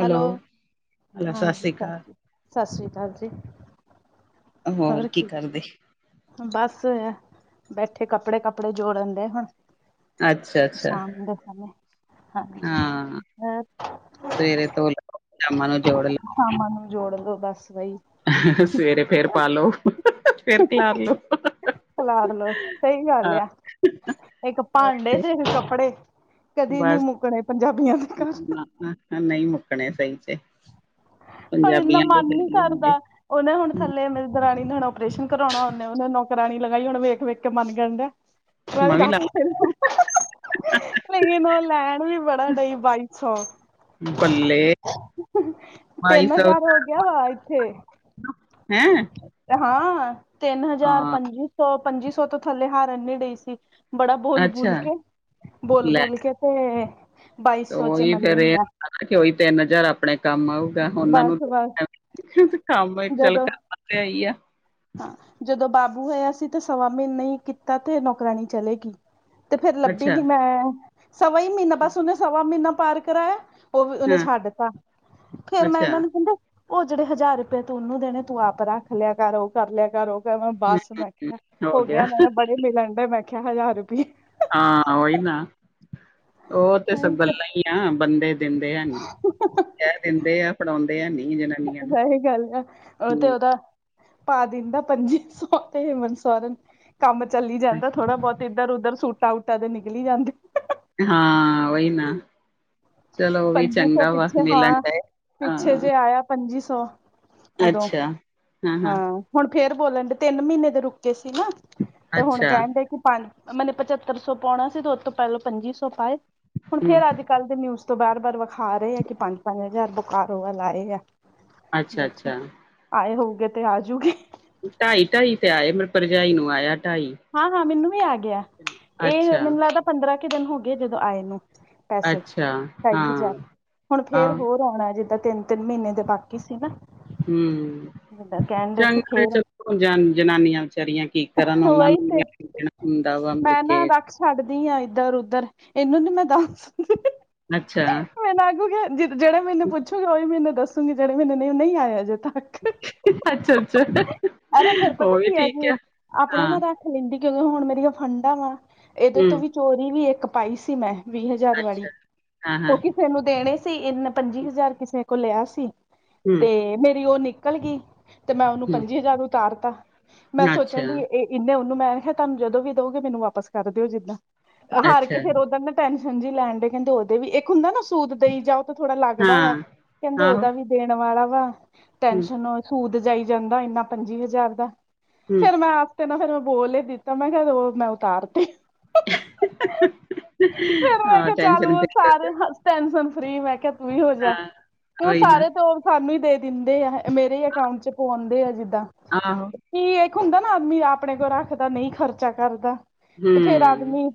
Hello hello ਸਤਿ ਹਾਂਜੀ ਸ਼੍ਰੀ ਅਕਾਲ। ਸਤਿ ਸਤਿ ਸ਼੍ਰੀ ਅਕਾਲ ਜੀ ਹੋਰ ਕੀ ਬਸ ਬੈਠੇ ਕੱਪੜੇ ਕੱਪੜੇ ਜੋੜਨ ਦੇਏ ਹਾਂ ਅੱਛਾ, ਅੱਛਾ ਸ਼ਾਮ ਦੇ ਸਮੇ ਹਾਂ ਸਵੇਰੇ ਧੋ ਲਓ ਸ਼ਾਮਾ ਨੂੰ ਜੋੜ ਲ ਸਾਮਾਂ ਨੂੰ ਜੋੜ ਲੋ ਬੱਸ ਬਾਈ ਸਵੇਰੇ ਫੇਰ ਪਾਲੋ ਫੇਰ ਖਲਾਰ ਲੋੋ ਖਲਾਰ ਲੋੋ ਸਹੀ ਗੱਲ ਆ ਇੱਕ ਭਾਂਡੇ ਤੇ ਇਕ ਕੱਪੜੇ ਕਦੇ ਨੀ ਬਸ ਮੁੱਕਣੇ ਪੰਜਾਬੀਆਂ ਦੇ ਘਰ ਹ ਨਹੀਂ ਮੁੱਕਣੇ ਸਹੀ ਚ ਭਾ ਇੰਨਾ ਪੰਜਾਬੀਆਂ ਦੇ ਮਨ ਨੀ ਡੇਲੇ ਹੁੰਦੇ ਕਰਦਾ ਉਹਨੇ ਥੱਲੇ ਮੇਰੀ ਦਰਾਣੀ ਨੇ ਹੁਣ ਆਪ ਔਪਰੇਸ਼ਨ ਕਰਵਾਣਾ ਉਹਨੇ ਉਹਨ ਨੌਕਰਾਣੀ ਲਗਾਈ ਹੁਣ ਵੇਖ ਵੇਖ ਕੇ ਮਚ ਜਾਦੇ ਆ। [unintelligible] ਮੈਂ ਵੀ ਲਾ ਡਖੇ ਨੂੰ ਲੇਕਿਨ ਉਹ ਲੈਣ ਵੀ ਬੜਾ ਡਈ ਬਾਈ ਪੰਜ ਸੌ, ਬੱਲੇ, ਬਾਈ ਤਿੰਨ ਸੌ ਹਜ਼ਾਰ ਹੋ ਗਿਆ ਵਾ ਇੱਥੇ, ਹੈਂ ਹਾਂ ਤਿੰਨ ਹਜ਼ਾਰ ਹਾਂ ਪੰਜੀ ਸੌ ਪੰਜੀ ਸੌ ਤੋਂ ਥੱਲੇ ਹਾਰ ਇਨੀ ਡਈ ਸੀ। ਬੜਾ ਬੋਲ, ਅੱਛਾ ਬੋਲ ਕੇ ਬੋਲ, ਲੈ ਬੋਲ ਕੇ ਤੇ ਬਾਈ ਸੌ ਚ ਉਹੀ ਫੇਰ ਇਹ ਮੰਨੀ ਆ। ਕਿ ਉਈ ਤਿੰਨ ਹਜ਼ਾਰ ਆਪਣੇ ਕੰਮ ਆਊਗਾ, ਉਹਨਾਂ ਨੂੰ ਬਸ ਬਸ ਕੰਮ ਇੱਕ ਚੱਲ ਕਰ। ਬਸ ਈਹੀ ਆ। ਹਾਂ ਜਦੋਂ ਬਾਬੂ ਹੋਇਆ ਸੀ, ਤੇ ਸਵਾ ਮਹੀਨੇ ਹੀ ਕੀਤਾ ਤੇ ਨੌਕਰਾਣੀ ਚਲੇਗੀ। ਤੇ ਫੇਰ ਲੱਭੀ ਅੱਛਾ ਨੀ ਮੈਂ ਸਵਾ ਹੀ ਮਹੀਨਾ ਬਸ ਉਹਨੇ ਸਵਾ ਮਹੀਨਾ ਪਾਰ ਕਰਾਇਆ। ਉਹ ਵੀ ਉਹਨੇ ਹਾਂ ਛੱਡ ਦਿੱਤਾ ਫੇਰ ਮੈਂ ਅੱਛਾ ਇਹਨਾਂ ਨੂੰ ਕਹਿੰਦੇ। ਉਹ ਜਿਹੜੇ ਹਜ਼ਾਰ ਰੁਪਏ ਤੂੰ ਉਹਨੂੰ ਦੇਣੇ ਤੂੰ ਆਪ ਰੱਖ ਲਿਆ, ਕਰੋ ਕਰ ਲਿਆ ਕਰੋ। ਮ ਹੂੰ ਬੱਸ ਮੈਂ ਕਿਹਾ ਆ ਹੋ ਗਿਆ, ਮੈਂ ਬੜੇ ਮਿਲਣ ਡਏ ਮੈਂ ਕਿਹਾ ਹਜ਼ਾਰ ਰੁਪਏ ਹਾਂ ਓਹੀ ਨਾ, ਉਹ ਤੇ ਗੱਲਾਂ ਹੀ ਆ ਬੰਦੇ ਦਿੰਦੇ ਹੈ ਨਹੀਂ। ਕਹਿ ਦਿੰਦੇ ਆ ਫੜਾਦੇ ਹੈ, ਨੀ ਜਿਹ ਵਹੀ ਗੱਲ ਆ ਉਹ ਤੇ ਉਹਦਾ, ਪਾ ਦਿੰਦਾ ਪੰਜੀ ਸੌ ਤੇ ਹੇਮਨ ਸਾਰਾ ਕੰਮ ਚੱਲੀ ਜਾਂਦਾ ਥੋੜ੍ਹਾ ਬਹੁਤ ਇੱਧਰ ਉਧਰ ਸੂਟਾ ਉੂਟਾ ਤੇ ਨਿਕਲੀ ਜਾਂਦੇ। ਹਾਂ ਉਹੀ ਨਾ, ਚਲੋ ਉਹ ਵੀ ਪੰਜੀ ਸੌ ਚੰਗਾ ਵਾ ਪਿੱਛੇ ਮਿਲਣ ਹਾਂ ਡਏ ਪਿੱਛੇ ਹਾਂ। ਜੇ ਆਇਆ ਪੰਜੀ ਸੌ, ਉਦੋਂ ਅੱਛਾ। ਹਾਂ। ਹੁਣ ਫੇਰ ਬੋਲਣ ਡੇ ਤਿੰਨ ਮਹੀਨੇ ਦੇ ਰੁਕੇ ਸੀ ਨਾ, ਤੇ ਹੁਣ ਅੱਛਾ ਕਹਿਣ ਡ ਕਿ। ਪੰਜ ਮੈਨੇ ਪਚੱਤਰ ਸੌ ਪਾਣਾ ਸੀ, ਤੇ ਉਹ ਤੋਂ ਪਹਿਲੋਂ, ਪੰਜੀ ਸੌ ਪਾਏ, ਹੁਣ ਹੂੰ ਫੇਰ ਅੱਜ। ਕੱਲ ਦੇ ਨਿਊਜ਼ ਤੋਂ ਬਾਰ-ਬਾਰ ਵਿਖਾ ਰਹੇ ਆ, ਕਿ ਪੰਜ-ਪੰਜ ਹਜ਼ਾਰ ਬੁਖਾਰ ਹੋ ਵ ਲਾਏ ਆ। ਅੱਛਾ ਦੇਖੋ ਅੱਛਾ ਆਏ ਹੋਊਗੇ, ਤੇ ਆਜੂਗੀ। ਢਾਈ, ਢਾਈ ਤੇ ਆਏ, ਮੇ ਭਰਜਾਈ ਨੂੰ ਆਇਆ ਢਾਈ। ਹਾਂ-ਹਾਂ, ਮੈਨੂੰ ਵੀ ਆ ਗਿਆ, ਇਹ ਅੱਛਾ ਮੈਨੂੰ ਲੱਗਦਾ ਪੰਦਰਾਂ ਕੁ ਦਿਨ ਹੋ ਗਏ, ਜਦੋਂ ਆਏ ਨੂੰ। ਪੈਸੇ ਅੱਛਾ ਬਾਈ ਹਾਂ ਹਜ਼ਾਰ, ਹੁਣ ਫੇਰ ਆਹ ਹੋਰ ਆਉਣਾ ਜਿੱਦਾਂ ਤਿੰਨ। ਤਿੰਨ ਮਹੀਨੇ ਦੇ ਬਾਕੀ ਸੀ ਨਾ, ਹੂੰ ਜਿੱਦਾਂ ਕਹਿਣ ਡੇ ਸੀ, ਫੇਰ। ਜ ਜਨਾਨੀਆਂ ਵਿਚਾਰੀਆਂ, ਕੀ ਕਰਨ ਉਹਨਾਂ ਉਹੀ ਨੂੰ ਤੇ ਦੇਣਾ ਹੁੰਦਾ ਵਾ ਮੁੜ। ਮੈਂ ਨਾ ਰੱਖ ਛੱਡਦੀ ਹਾਂ ਇੱਧਰ-ਉੱਧਰ ਇਹਨੂੰ ਨੀ ਮੈਂ ਦੱਸਦੀ। ਅੱਛਾ। ਮੈਨੂੰ ਆਗੂ ਜਿਹੜੇ ਮੈਨੂੰ ਪੁੱਛੂਗਾ, ਉਹੀ ਮੈਨੂੰ ਦੱਸੂਗੀ, ਜਿਹੜੇ ਮੈਨੂੰ ਨਹੀਂ ਆਏ, ਅਜੇ ਤੱਕ। ਅੱਛਾ-ਅੱਛਾ, ਅਰੇ ਫਿਰ ਹੋ ਪਤਾ ਵੀ ਕੀ ਠੀਕ ਜੀ ਆ। ਆਪਣੇ ਨਾ ਹਾਂ, ਰੱਖ ਲੈਂਦੀ, ਕਿਉਂਕਿ ਹੁਣ ਮੇਰੀਆਂ ਫੰਡਾ ਵਾ ਇਹਦੇ ਤੋਂ ਹੂੰ, ਵੀ ਚੋਰੀ ਵੀ ਇੱਕ ਪਾਈ ਸੀ ਮੈਂ। ਵੀਹ ਹਜ਼ਾਰ ਵਾਲੀ, ਅੱਛਾ ਹਾਂ-ਹਾਂ, ਉਹ ਕਿਸੇ ਨੂੰ ਦੇਣੇ ਸੀ ਇਹਨੇ ਪੰਜੀ ਹਜ਼ਾਰ ਕਿਸੇ ਕੋਲ ਲਿਆ ਸੀ। ਹੂੰ, ਤੇ ਮੇਰੀ ਉਹ ਨਿਕਲ ਗਈ, ਤੇ ਮੈਂ ਉਹਨੂੰ ਹੂੰ, ਪੰਜੀ ਹਜ਼ਾਰ ਉਤਾਰਤਾ। ਮੈਂ ਸੋਚਣ ਅੱਛਾ। ਡ ਇਹ ਇੰਨੇ ਉਹਨੂੰ ਮੈਂ ਕਿਹਾ ਤੁਹਾਨੂੰ ਜਦੋਂ ਵੀ ਦਓਗੇ, ਮੈਨੂੰ ਵਾਪਸ ਕਰ ਦਿਓ, ਜਿੱਦਾਂ। ਹਾਰ ਅੱਛਾ, ਕੇ ਫੇਰ ਉਹਦਾ ਨਾ ਟੈਨਸ਼ਨ ਜੀ ਲੈਣ ਡੇ ਕਹਿੰਦੇ ਉਹਦੇ ਵੀ ਇੱਕ ਹੁੰਦਾ ਨਾ। ਸੂਤ ਦੇਈ ਜਾਓ ਤਾਂ ਥੋੜਾ ਲੱਗਦਾ ਵਾ ਹਾਂ, ਕਹਿੰਦੇ ਆਹੋ, ਉਹਦਾ ਵੀ ਦੇਣ ਵਾਲਾ ਵਾ ਹੂੰ, ਟੈਨਸ਼ਨ। ਸੂਦ ਜਾਈ ਜਾਂਦਾ ਇੰਨਾ ਪੰਜੀ ਹਜ਼ਾਰ ਦਾ ਹੂੰ ਫੇਰ ਮੈਂ। ਤੇ ਨਾ, ਫਿਰ ਮੈਂ ਬੋਲ ਹੀ ਦਿੱਤਾ, ਮੈਂ ਕਿਹਾ ਉਹ ਮੈਂ ਉਤਾਰ ਤੇ। ਫੇਰ ਮੈਂ ਆਹ ਕਿਹਾ, ਚੱਲ ਟੈਸ਼ਨ ਉਹ, ਸਾਰੇ ਟੈਂਨਸ਼ਨ ਫਰੀ, ਮੈਂ ਕਿਹਾ ਤੂੰ ਵੀ ਹੋ ਜਾ ਹਾਂ ਹੁਣ ਉਹੀ ਨਾ ਸਾਰੇ ਤ ਸਾਨੂੰ ਹੀ ਦੇ ਦਿੰਦੇ ਆ, ਮੇਰੇ ਹੀ ਅਕਾਊਂਟ ਚ ਪਾਉਂਦੇ ਆ ਜਿੱਦਾਂ। ਆਹੋ। ਕੀ ਇੱਕ ਹੁੰਦਾ ਨਾ, ਆਦਮੀ ਆਪਣੇ ਕੋਲ ਰੱਖਦਾ ਨਹੀਂ, ਖਰਚਾ ਕਰਦਾ ਤੇ ਹੂੰ ਫੇਰ ਆਦਮੀ।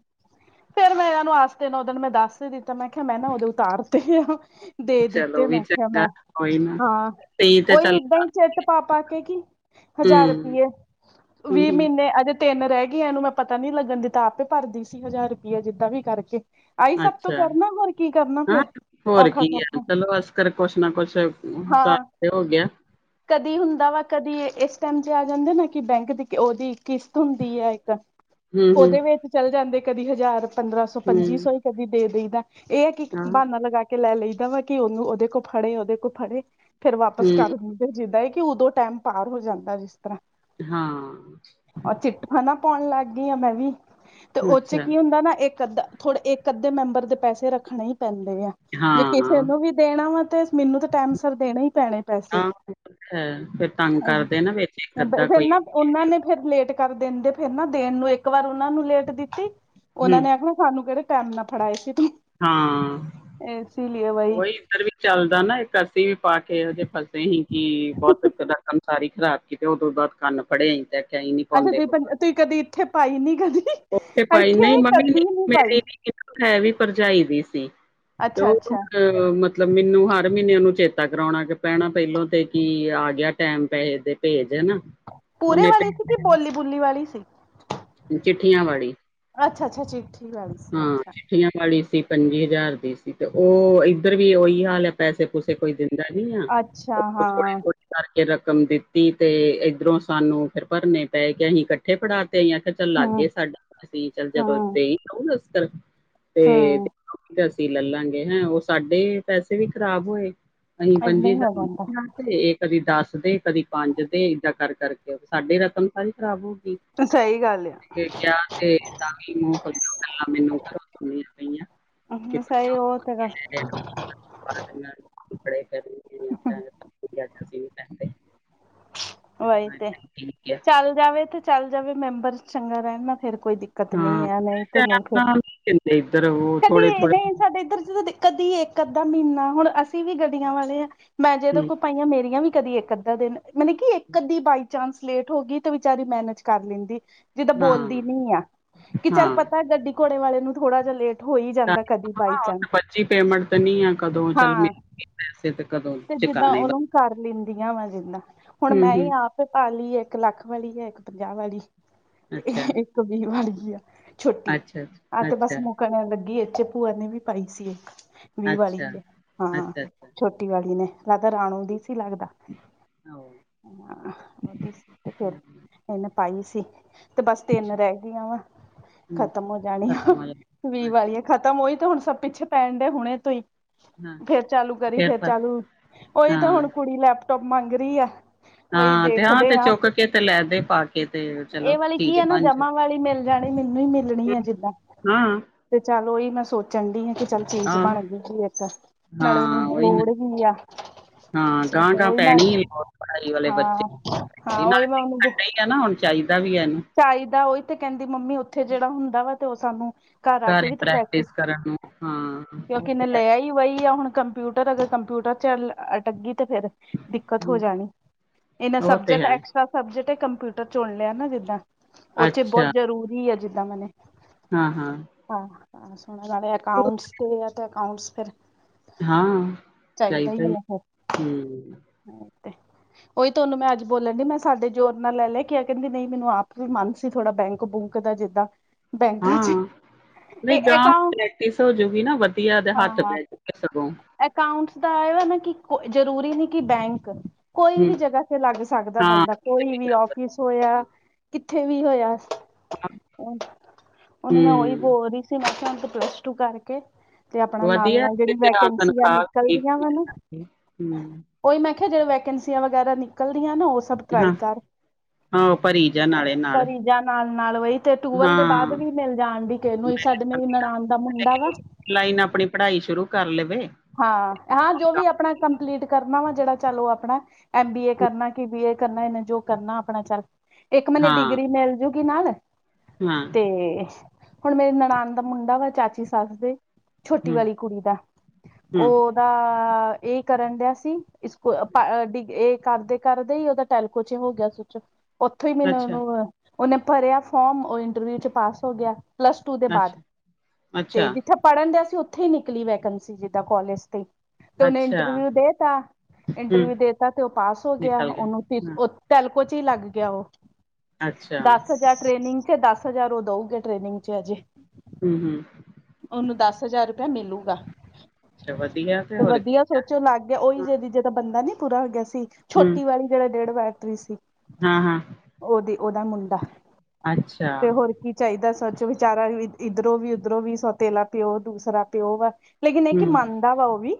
ਫੇਰ ਮੈਂ ਇਹਨੂੰ ਆਸ ਦਿਨ ਉਹ ਦਿਨ ਮੈਂ ਦੱਸ ਹੀ ਦਿੱਤਾ, ਮੈਂ ਕਿਹਾ ਮੈਂ ਨਾ ਉਦੇ ਉਤਾਰ ਤੇ ਆ। ਦੇ ਚਲੋ ਦਿੱਤੇ, ਵੀ ਮੈਂ ਕਿਹਾ ਆ ਚੰਗਾ ਮੈਂ। ਉਹੀ ਨਾ ਹਾਂ, ਤੇ ਤੇ ਉਹੀ ਚੱਲ ਏਦਾਂ ਹੀ, ਚਿੱਟ ਪਾ ਪਾ ਕੇ ਕੀ ਹੂੰ, ਹਜ਼ਾਰ ਰੁਪਈਏ। ਹੂੰ, ਵੀਹ ਹੂੰ ਮਹੀਨੇ ਅਜੇ। ਤਿੰਨ ਰਹਿ ਗਈਆਂ ਇਹਨੂੰ ਮੈਂ ਪਤਾ ਨੀ ਲੱਗਣ ਦਿੱਤਾ ਆਪੇ ਭਰਦੀ ਸੀ ਹਜ਼ਾਰ ਰੁਪਈਆ ਜਿੱਦਾਂ ਵੀ ਕਰਕੇ। ਆਹੀ ਸਭ ਤੋਂ ਅੱਛਾ ਕਰਨਾ ਹੋਰ ਕੀ ਕਰਨਾ ਹਾਂ ਫੇਰ ਹੋਰ ਔਖਾ ਕੀ ਹੈ ਸੌਖਾ ਚਲੋ ਅਸ ਕਰ ਕੁਛ ਨਾ ਕੁਛ। ਹਾਂ ਤੇ ਹੋ ਗਿਆ। ਕਦੀ ਹੁੰਦਾ ਵਾ ਕਦੀ ਇਸ ਟਾਈਮ ਜੇ ਆ ਜਾਂਦੇ ਨਾ ਕਿ ਬੈਂਕ ਦੀ ਉਹਦੀ ਕਿਸ਼ਤ। ਹੁੰਦੀ ਹੈ ਇੱਕ ਹੂੰ ਹੂੰ ਉਹਦੇ ਵਿੱਚ ਚੱਲ ਜਾਂਦੇ ਕਦੀ ਹਜ਼ਾਰ ਪੰਦਰਾਂ ਸੌ, ਪੰਜੀ ਹੂੰ ਸੌ, ਇੱਕ। ਕਦੀ ਦੇ ਦਈਦਾ ਇਹ ਕਿ ਇਕ ਹਾਂ ਬਹਾਨਾ ਲਗਾ ਕੇ। ਕੇ ਲੈ ਲਈਦਾ ਵਾ ਕਿ ਉਹਨੂੰ ਉਹਦੇ ਕੋਲ ਫੜੇ ਉਹਦੇ ਕੋਲ ਫੜੇ ਫਿਰ ਵਾਪਿਸ ਹੂੰ ਕਰ ਕੇ। ਜਿੱਦਾਂ ਹੈ ਕਿ ਉਦੋਂ ਟਾਈਮ ਪਾਰ ਹੋ ਜਾਂਦਾ ਜਿਸ ਤਰ੍ਹਾਂ। ਹਾਂ। ਉਹ ਚਿੱਟ ਹੈ ਨਾ ਪਾਉਣ ਲੱਗ ਗਈ ਹਾਂ ਮੈਂ ਵੀ ਤੇ ਉਹ ਚ ਅੱਛਾ ਕੀ ਹੁੰਦਾ ਨਾ ਇੱਕ ਅੱਧਾ। ਥੋੜੇ ਇੱਕ ਅੱਧੇ ਮੈਂਬਰ ਦੇ ਪੈਸੇ ਰੱਖਣੇ ਹੀ ਪੈਂਦੇ ਆ। ਜੇ ਕਿਸੇ ਹਾਂ ਨੂੰ ਵੀ ਦੇਣਾ ਵਾ ਤੇ ਮੈਨੂੰ ਤਾਂ ਟਾਈਮ ਸਿਰ ਦੇਣੇ ਹੀ ਪੈਣੇ ਪੈਸੇ। ਹਾਂ ਫਿਰ ਤੰਗ ਕਰਦੇ ਨਾ ਵਿੱਚ ਇੱਕ ਅੱਧਾ। ਤੇ ਫਿਰ ਕੋਈ ਨਾ ਉਹਨਾਂ ਨੇ ਫਿਰ ਲੇਟ ਕਰ ਦਿੰਦੇ ਫਿਰ ਨਾ ਦੇਣ ਨੂੰ ਇੱਕ ਵਾਰ ਉਹ ਨੂੰ ਲੇਟ ਦਿੱਤੀ। ਹੂੰ ਉਹਨਾਂ ਨੇ ਆਖਣਾ ਸਾਨੂੰ ਕਿਹੜਾ ਟੈਮ ਨਾ ਫੜਾਏ ਸੀ ਤੂੰ। ਹਾਂ। ਇਸੇ ਲਈ। ਬਾਈ ਉਹੀ ਇੱਧਰ ਵੀ ਚੱਲਦਾ ਨਾ ਇੱਕ ਅਸੀ ਵੀ ਪਾ ਕੇ ਫਸੇ ਹੀ ਸੀ ਕਿ ਬਹੁਤ। ਸਾਰੀ ਖਰਾਬ ਕੀਤੇ ਉਹ ਤੋਂ ਬਾਅਦ ਕੰਨ ਫੜੇ ਅਸੀਂ ਤੇ। ਤਾਂ ਹੀ ਨੀ ਅੱਛਾ ਪਾਉਂਦੇ, ਤੁਸੀਂ ਬਾਬਾ ਤੁਸੀਂ ਕਦੀ ਇੱਥੇ ਪਾਈ ਨੀ ਕਦੀ ਉਹ ਤੇ ਪਾਈ ਇੱਥੇ ਨਹੀਂ ਮੰਮੀ ਕਦੀ ਨੀ ਮੇਰੀ ਪਾਈ ਨੀ। ਇਕ ਹੈ ਵੀ ਭਰਜਾਈ ਦੀ ਸੀ ਤੇ ਅੱਛਾ ਉਹ। ਅੱਛਾ ਅ ਮਤਲਬ ਮੈਨੂੰ ਹਰ ਮਹੀਨੇ ਉਹਨੂੰ ਚੇਤਾ ਕਰਾਉਣਾ ਪੈਣਾ ਪਹਿਲੋਂ ਤੇ ਕਿ ਆ ਗਿਆ ਟੈਮ ਪੈਸੇ ਦੇ। ਭੇਜ ਹੈਨਾ। ਪੂਰੇ ਵਾਲੀ ਸੀ ਕੀ ਬੋਲੀ-ਬੁਲੀ ਵਾਲੀ ਸੀ? ਚਿੱਠੀਆਂ ਵਾਲੀ। ਅੱਛਾ-ਅੱਛਾ ਚਿੱਟ। ਹਾਂ, ਚਿੱਠੀਆਂ ਵਾਲੀ ਸੀ ਪੰਜੀ ਹਜ਼ਾਰ ਦੀ ਸੀ ਤੇ ਉਹ ਇੱਧਰ ਵੀ ਉਹੀ ਹਾਲ ਆ। ਪੈਸੇ-ਪੂਸੇ ਕੋਈ ਦਿੰਦਾ ਨੀ ਆ ਅੱਛਾ ਉਹ ਥੋੜੀ। ਹਾਂ ਕਰਕੇ ਰਕਮ ਦਿੱਤੀ ਤੇ ਇੱਧਰੋਂ ਸਾਨੂੰ ਫਿਰ ਭਰਨੇ ਪੈ ਗਏ ਅਸੀਂ ਕੱਠੇ। ਇਕੱਠੇ ਪੜ੍ਹਾ ਤੇ ਆਈ ਚੱਲ ਹਮ ਲੱਗੇਏ ਸਾਡਾ ਅਸੀਂ ਚੱਲ। ਜਦੋਂ। ਹਮ ਹਮ ਤੇ ਅਸੀਂ ਲੈਲਾਂਗੇ ਹੈਂ ਉਹ ਸਾਡੇ ਪੈਸੇ ਵੀ ਖ਼ਰਾਬ ਹੋਏ। ਅਸੀਂ ਏਦਾਂ ਪੰਜੀ ਹੀ ਹੋ ਜਾਂਦਾ ਹਜ਼ਾਰ। ਇਹ ਕਦੀ ਦੱਸ ਦੇ ਕਦੀ ਪੰਜ ਦੇ ਏਦਾਂ ਕਰ ਕਰਕੇ ਸਾਡੀ ਰਕਮ ਸਾਰੀ ਖਰਾਬ ਹੋਊਗੀ। ਸਹੀ ਗੱਲ ਕਿ ਜਾਂ ਤੇ ਤਾਂ ਵੀ ਮੂੰਹ ਫੁੱਲ ਜਾਓ, ਕਿ ਪਹਿਲਾਂ ਮੈਨੂੰ ਦਿਓ। ਹੋਈਆਂ ਪਈਆਂ। ਸਈ ਉਹਨੂੰ ਉਹ ਤੇ ਹੈ ਮੰਗੇ ਲੈ ਆਏ ਗਾ। ਹੋ, ਬਾਅਦ ਨਾਲ [unintelligible] ਕੀ ਕਰਦੇ ਓਹੀ ਤੇ, ਠੀਕ ਆ ਚੱਲ ਜਾਵੇ ਤੇ, ਚੱਲ ਜਾਵੇ ਮੈਂਬਰ ਚੰਗਾ ਰਹਿਣ ਨਾ ਫੇਰ ਕੋਈ ਦੀ ਕ ਦਿੱਕਤ ਹਾਂ ਨਹੀਂ ਆ ਨਹੀਂ, ਤੇ ਟੈਮ ਨਹੀ ਫਿਰ, ਨਾਲ ਨੀ ਦਿੰਦੇ ਇੱਧਰ ਉਹ ਕਦੀ ਥੋੜੇ ਏ ਥੋੜੇ ਨਹੀਂ ਸਾਡੇ ਇੱਧਰ ਚ ਦਿੱਕਤ ਨਹੀਂ ਆ ਇੱਕ ਅੱਧਾ ਮਹੀਨਾ ਹੁਣ ਅਸੀਂ। ਅਸੀਂ ਵੀ ਗੱਡੀਆਂ ਵਾਲੇ ਹਾਂ ਮੈਂ ਜਿਹਦੇ ਹੂੰ, ਕੋਲ ਪਾਈਆਂ ਮੇਰੀਆਂ ਵੀ ਕਦੀ ਇੱਕ ਅੱਧਾ ਦਿਨ। ਮਤਲਬ ਕਿ ਇੱਕ-ਅੱਧੀ ਬਾਈ ਚਾਂਸ ਲੇਟ ਹੋ ਗਈ ਤਾਂ ਉਹ ਵਿਚਾਰੀ ਮੈਨੇਜ ਕਰ ਲੈਂਦੀ ਹੈ। ਜਿੱਦਾਂ ਹਾਂ ਬੋਲਦੀ ਨਹੀਂ ਆ ਕਿ ਚੱਲੋ, ਹਾਂ ਪਤਾ ਗੱਡੀ-ਘੋੜੇ ਵਾਲੇ ਨੂੰ ਥੋੜ੍ਹਾ ਜਿਹਾ ਲੇਟ। ਹੋ ਈ ਹਾਂ ਜਾਂਦਾ ਕਦੀ ਉਹ ਬਾਈਚਾਂਸ, ਤਾਂ ਬੱਚੀ ਹਾਂ। ਕਿ ਪੈਸੇ ਤੇ ਕਦੋਂ। ਤੇ ਜਿੱਦਾਂ ਚਕਾਣੇ ਉਹਨੂੰ ਕਰ ਲੈਂਦੀ ਆਂ ਮੈ ਜਿੰਦਾ ਹੁਣ ਮੈ ਹੂੰ-ਹੂੰ। ਹੀ ਆਪ। ਪਾਲੀ ਹੈ ਇੱਕ ਲੱਖ ਵਾਲੀ ਹੈ ਇੱਕ ਪੰਜਾਹ ਵਾਲੀ, ਤੇ ਅੱਛਾ, ਇੱਕ ਵੀਹ ਵਾਲੀ ਆ। ਛੋਟੀ, ਅੱਛਾ, ਆਹ ਤੇ ਬਸ ਅੱਛਾ, ਮੁੱਕਣ ਲੱਗੀ ਇਹਦੇ ਵਿੱਚ ਭੂਆ ਨੇ ਵੀ ਪਾਈ ਸੀ ਇੱਕ। ਵੀਹ ਵਾਲੀ ਅੱਛਾ। ਤੇ, ਹਾਂ ਅੱਛਾ-ਅੱਛਾ ਛੋਟੀ ਵਾਲੀ ਨੇ ਲੱਗਦਾ ਰਾਣੋ ਦੀ ਸੀ ਲੱਗਦਾ। ਆਹੋ ਹ ਉਹਦੀ ਸੀ ਤੇ ਫਰ ਹੂੰ ਇਹਨੇ ਪਾਈ ਸੀ ਤੇ ਬਸ ਤਿੰਨ ਅੱਛਾ, ਰਹਿ ਗਈਆਂ ਵਾ, ਹੂੰ, ਖਤਮ ਹੋ ਜਾਣੀ ਆ ਖਤਮ ਹੋ ਜਾ ਇਹਹ ਵਾਲੀਏ ਖ਼ਤਮ ਹੋਈ ਤੇ ਹੁਣ ਸਭ ਪਿੱਛੇ ਪੈਣ ਡਏ ਹੁਣੇ ਤੋਂ ਹੀ, ਹਾਂ ਫੇਰ ਚਾਲੂ ਕਰੀ ਫੇਰ ਚਲੂ ਉਓਹੀ ਤਾਂ ਹਾਂ। ਹੁਣ ਕੁੜੀ ਲੈਪਟੋਪ ਮੰਗ ਰਹੀ ਐ ਹਾਂ ਤੇ ਹਾਂ ਤੇ ਚੁੱਕ ਕੇ ਤੇ ਲੈ ਦੇ ਪਾ ਕੇ ਤੇ ਚਲੋ ਇਹ ਵਾਲੀ ਕੀ ਚੀਜ ਆ ਨਾ ਪੰਜ ਜਮਾ ਵਾਲੀ ਮਿਲ ਜਾਣੀ ਮੈਨੂੰ ਹੀ ਮਿਲਣੀ ਆ ਜਿੱਦਾਂ, ਹਾਂ ਤੇ ਚੱਲ ਉਹੀ ਮੈਂ ਸੋਚ ਡੀਲ ਚ ਆ ਚੱਲ ਚੀਜ਼ ਆਹੋ ਬਣ ਗਈ ਆ ਐਦਾ, ਇੱਕ ਨਾਲੇ ਹਾਂ ਉਹਨੂੰ ਉਹੀ ਨਾ ਲੋੜ ਵੀ ਆ ਹਾਂ ਅੱ ਗਾਂ-ਗਾਂ ਉਹੀ ਮੈਂ ਪੈਣੀ ਲੋੜ ਪੜਾਈ ਵਾਲੇ ਬੱਚੇ ਹਾਂ ਹਾਂ ਨਾਲ ਉਹੀ ਮੈਂ ਉਹਨੂੰ ਸਿੱਖਣ ਡਈ ਹੁਣ ਚਾਹੀਦਾ ਵੀ ਇਹਨੂੰ ਚਾਹੀਦਾ ਉਹੀ ਤੇ ਕਹਿੰਦੀ ਮੰਮੀ ਉੱਥੇ ਜਿਹੜਾ ਹੁੰਦਾ ਵਾ ਤੇ ਉਹ ਸਾਨੂੰ ਘਰ ਆ ਕੇ ਘਰੇ ਵੀ ਤੇ ਪ੍ਰੈਕਟਿਸ, ਕਰਨ ਨੂੰ ਹਾਂ ਉਹ ਕਿਉਂਕਿ ਮੇ ਤੇ ਹੈ ਲਿਆ ਇ ਵਹੀ ਆ ਹੁਣ ਕੰਪਿਊਟਰ ਅਗਰ ਕੰਪਿਊਟਰ ਚ ਅਟੱਗੀ ਤੇ ਫੇਰ ਦਿੱਕਤ ਹੋ ਹੂੰ, ਜਾਣੀ, ਇਹਨਾਂ ਉਹ ਤੇ ਸਬਜੈਕਟ ਹੈ ਐਕਸਟਰਾ ਸਬਜੈਕਟ ਕੰਪਿਊਟਰ ਚੁਣ ਲਿਆ ਨਾ ਜਿੱਦਾਂ ਉੱਤ ਚ ਬਹੁਤ ਅੱਛਾ ਜ਼ਰੂਰੀ ਆ ਜਿੱਦਾਂ ਮੈਨੇ ਹਾਂ ਹਾਂ ਹਾਂ ਸੁਣ ਅਕਾਟਸ ਤੇ ਆ ਤੇ ਅਕਾਊਂਟਸ ਫੇਰ ਹਾਂ ਚਾਹੀਦਾ ਹਮ ਉਹੀ ਤੁਹਾਨੂੰ ਮੈਂ ਅੱਜ ਬੋਲਣ ਦੀ ਮੈਂ ਸਾਡੇ ਜੋ ਆਪਣਾ ਲੈ ਲੈ ਕੇ ਆ ਕਹਿੰਦੀ ਨਹੀਂ ਮੈਨੂੰ ਆਪ ਮਨ ਸੀ ਥੋੜਾ ਬੈਂਕ ਬੁਕ ਦਾ ਜਿਦਾ ਹਾਂ ਨਹੀਂ ਗਾ ਅਕਾਊਂਟ ਪ੍ਰੈਕਟਿਸ ਹੋ ਜੁਗਿ ਨਾ ਵਧੀਆ ਤੇ ਹਾਂ ਹੱਥ ਹਾਂ ਬੈਠ ਜੁਗ ਸਗੋਂ ਅਕਾਊਂਟਸ ਦਾ ਜਰੂਰੀ ਨਹੀਂ ਕਿ ਬੈਂਕ ਕੋਈ ਹੂੰ ਵੀ ਜਗ੍ਹਾ ਸੇ ਲੱਗ ਸਕਦਾ ਹਾਂ ਬੰਦਾ ਕਿਤੇ ਕੋਈ ਵੀ ਕਰ ਸਕਦੇ ਆਫਿਸ ਹੋਇਆ ਹਾਂ। ਕਿੱਥੇ ਵੀ ਹੋਇਆ ਸੀ ਉਹਨੇ ਮੈਂ ਉਹੀ ਹੂੰ ਬੋਲਦੀ ਮੈ ਕਿਹਾ ਪਲੱਸ ਟੂ ਕਰਕੇ ਤੇ ਆਪਣਾ ਨਾਲ ਵਧੀਆ ਨਾਲ ਤੇ ਜਿਹੜੀ ਆ ਵੈਕੈਂਸੀਅ ਤਨਖਾਹ ਨਿਕਲ ਠੀਕ ਦੀਆਂ ਹੈ ਮਿਲ ਨਾ ਜਾਂਦੀ। ਹੂੰ ਕੋਈ ਮੈਂ ਕਿਹਾ ਜਦੋਂ ਵੈਕੈਂਸੀ ਵਗੈਰਾ ਨਿਕਲਦੀਆਂ ਨਾ ਉਹ ਸਭ ਟ੍ਰਾਈ ਹਾਂ ਕਰੇ ਹਾਂ ਭਰੀ ਜਾ ਨਾਲੇ ਨਾਲ ਭਰੀਜਾ ਨਾਲ ਨਾਲ ਟੂਲ ਦੇ ਹਾਂ ਬਾਅਦ ਵੀ ਮਿਲ ਜਾਣਦੀ ਤੈਨੂੰ ਹੀ ਮੈਂ ਸਾਡੇ ਕਹਿੰਦੀ ਆ, ਨਨਾਣ ਦਾ ਮੁੰਡਾ ਵਾ ਲਾਈਨ ਆਪਣੀ ਪੜ੍ਹਾਈ ਸ਼ੁਰੂ ਕਰ ਲਵੇ ਹਾਂ ਜੋ ਵੀ ਆਪਣਾ ਕੰਪਲੀਟ ਕਰਨਾ ਵਾ ਜਿਹੜਾ ਚਲੋ ਆਪਣਾ ਐਮ ਬੀ ਏ ਕਰਨਾ ਕਿ, ਬੀ ਏ ਕਰਨਾ ਇਹਨਾ ਜੋ ਕਰਨਾ ਆਪਣਾ ਚਰ ਇੱਕ ਮੈਨੂੰ ਹਾਂ ਡਿਗਰੀ ਮਿਲਜੂਗੀ ਨਾਲ ਹਾਂ ਤੇ ਹੁਣ ਮੇਰੇ ਨੜਾਨ ਦਾ ਮੁੰਡਾ ਵਾ ਚਾਚੀ ਸੱਸ ਦੇ ਛੋਟੀ ਹੂੰ, ਵਾਲੀ ਕੁੜੀ ਦਾ, ਹੂੰ, ਉਹਦਾ ਇਹ ਕਰਨ ਡਿਆ ਸੀ ਡਿ ਇਹ ਕਰਦੇ ਕਰਦੇ ਹੀ ਉਹਦਾ ਟੈਲਕੋ ਚ ਹੋ ਗਿਆ ਸਚ ਫਿਰ ਅੱਛਾ, ਨਨਾਨੂੰ ਹੈ ਉਹਨੇ ਭਰਿਆ ਫੋਰਮ ਓਏ ਵਿੱਚ ਪਾਸ ਹੋ ਗਿਆ ਪਲਸ ਟੂ ਦੇ ਬਾਅਦ ਅੱਛਾ, ਅੱਛਾ, ਕਹਿੰਦਾ ਸੀ ਉੱਥੇ ਹੀ ਨਿਕਲੀ ਵੈਕੰਸੀ ਜਿੱਦਾਂ ਕੋਾਲਜ ਤੇ ਤੇ ਉਹਨੇ ਅੱਛਾ, ਇੰਟਰਵਿਊ ਦੇਤਾ ਹੂੰ, ਇੰਟਰਵਿਊ ਦੇਤਾ ਤੇ ਉਹ ਪਾਸ ਹੋ ਗਿਆ ਨਿਕਲ ਉਹਨੂੰ ਹਾਂ, ਫਿਰ ਟੇਲਕੋ ਚ ਈ ਲੱਗ ਗਿਆ ਉਹ। ਅੱਛਾ, ਦਸ ਹਜ਼ਾਰ ਟਰੇਨਿੰਗ ਚ, ਦਸ ਹਜ਼ਾਰ ਉਹ ਦਾਉਗੇ ਟ੍ਰੇਨਿੰਗ ਚ ਆ ਜੇ [unintelligible] ਉਹਨੂੰ ਦਸ ਹਜ਼ਾਰ ਰੁਪਈਆ ਮਿਲੂਗਾ ਅੱਛਾ ਵਧੀਆ ਤੇ ਹੋਰ ਕੀ ਆ। ਉਚੋ ਅਲੱਗ ਆ ਉਹੀ ਜੀਦਾ ਬੰਦਾ ਨਹੀਂ ਪੂਰਾ ਹੋ ਗਿਆ ਸੀ ਛੋਟੀ ਵਾਰੀ ਦੇਣਾ ਡੇਢ ਬੈਠਰੀ ਸੀ ਹਾਂ ਉਹਦੀ ਉਹਦਾ ਮੁੰਡਾ ਅੱਛਾ, ਤੇ ਹੋਰ ਕੀ ਚਾਹੀਦਾ ਸੱਚ ਵਿਚਾਰਾ ਇਧਰੋਂ ਵੀ ਉਧਰੋਂ ਵੀ ਸੋਤੇਲਾ ਪਿਓ ਦੂਸਰਾ ਪੀਓ ਆ ਲੇਕਿਨ ਇਹ ਕਿ ਹੂੰ, ਮੰਨਦਾ ਵਾ ਉਹ ਵੀ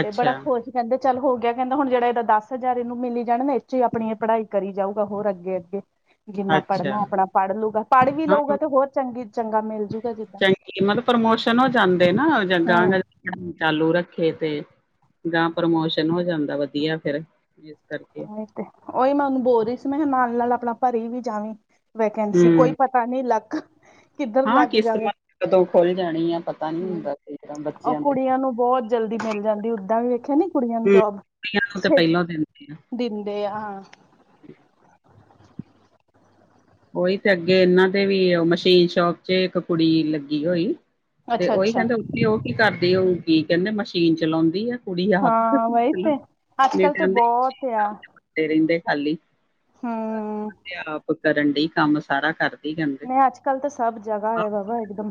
ਤੇ ਬੜਾ ਖੁਸ਼, ਕਹਿੰਦੇ ਚਲ ਹੋ ਗਿਆ ਕਹਿੰਦਾ ਹੁਣ ਜੇੜਾ ਇਹਦਾ ਦੱਸ ਹਜ਼ਾਰ ਇਣੁ ਮਿਲੀ ਜਾਣਾ ਨਾ ਇਹਦੇ ਚ ਈ ਆਪਣੀ ਪੜਾਈ ਕਰੀ ਜਾਓ। ਹੋਰ ਅੱਗੇ ਅੱਗੇ। ਜਿੰਨਾ ਅੱਛਾ, ਪੜਨਾ ਔ ਆਪਣਾ ਪੜ੍ ਲੂਗਾ ਪੜ ਵੀ ਲਊਗਾ ਹਾਂ ਤੇ ਹੋਰ ਚੰਗੀ ਚੰਗਾ ਮਿਲ ਜਾਊਗਾ ਚੰਗੀ ਮਤਲਬ ਪ੍ਰਮੋਸ਼ਨ ਹੋ ਜਾਂਦੇ ਨਾ ਜਾ ਹੂੰ ਚਾਲੂ ਰੱਖੇ ਤੇ ਗਾਹਾਂ ਪ੍ਰਮੋਸ਼ਨ ਹੋ ਜਾਂਦਾ ਵਧੀਆ ਫੇਰ। [unintelligible] ਉਹੀ ਮੈ ਓਹਨੂੰ ਬੋਲ ਰਹੀ ਸੀ ਮੈਂ ਕਹਯਾ ਨਾਲ ਨਾਲ ਆਪਣਾ ਭਰੀ ਵੀ ਜਾਵੀ ਵੈਕੈਂਸੀ ਕੋਈ ਭਰੀ [unintelligible] ਲੱਖ। ਆਹ ਕਿਸਮਤ ਕਦੋ ਖੁੱਲ ਜਾਣੀ ਆ ਪਤਾ ਨੀ। ਹੁੰਦਾ ਕਈ ਵਾਰ ਉਹ ਬੱਚਿਆਂ ਦਾ ਕੁੜੀਆਂ ਨੂੰ ਬਹੁਤ ਜਲਦੀ ਮਿਲ ਜਾਂਦੀ ਉਦਾਂ ਵੀ ਵੇਖਿਆ ਨੀ ਕੁੜੀਆਂ ਨੂੰ ਜੋਬ। ਪੀ ਆਰ ਨੂੰ ਤਾਂ ਪਹਿਲਾ ਦਿੰਦੀ ਆ। ਦਿੰਦੇ ਆ। ਉਹੀ ਤੇ ਅੱਗੇ ਇਨਾਂ ਦੇ ਵੀ ਮਸ਼ੀਨ ਸ਼ੋਪ ਚ ਇੱਕ ਕੁੜੀ ਲੱਗੀ ਹੋਈ। ਤੇ ਅੱਛਾ ਉਹੀ ਅੱਛਾ ਕਹਿੰਦੇ ਉਥੇ ਓਹ ਕੀ ਕਰਦੀ ਹੋਊਗੀ ਕਹਿੰਦੇ ਮਸ਼ੀਨ ਚਲਾਉਂਦੀ ਆ। ਕੁੜੀ ਹਾਂ ਵਹੀ ਤੇ ਅੱਜ ਕੱਲ ਤਾਂ ਬਹੁਤ ਆ [unintelligible] ਤੇ ਰਹਿੰਦੇ ਖਾਲੀ ਹਮ ਤੇ ਆਪ ਕਰਨ ਦੀ ਕੰਮ ਸਾਰਾ ਕਰਦੇ। ਮੈਂ ਅੱਜ ਕੱਲ ਤਾਂ ਸਭ ਜਗ੍ਹਾ ਹੈਗਾ ਵਾ ਇੱਕਦਮ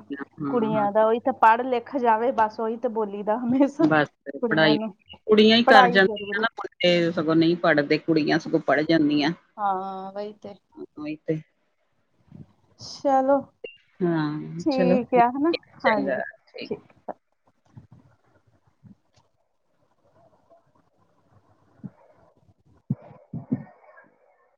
ਹਾਂ ਕੁੜੀਆਂ ਦਾ ਉਹੀ। ਤੇ ਪੜ ਲਿਖ ਜਾਵੇ ਬਸ ਉਹੀ ਤੇ ਬੋਲੀ ਦਾ। ਬਸ ਕੁੜੀਆਂ ਪੜਾਈ ਨੂੰ ਕੁੜੀਆਂ ਈ ਕਰ ਪੜ੍ਹਾਈ ਜਾਂਦੀ ਜ਼ਰੂਰੀ ਨਾ ਮੁੰਡੇ ਸਗੋ ਨਹੀਂ ਪੜਦੇ। ਕੁੜੀਆਂ ਸਗੋਂ ਪੜ ਜਾਂਦੀਆਂ ਹਾਂ ਵਹੀ ਤੇ ਉਹੀ ਤੇ। ਚਲੋ ਹਾਂ ਚਲੋ ਠੀਕ ਆ ਹਨਾ ਇੱਕ ਹਾਂਜੀ ਚੰਗਾ। ਠੀਕ। ਠੀਕ [inaudible]